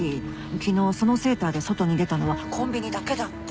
昨日そのセーターで外に出たのはコンビニだけだって。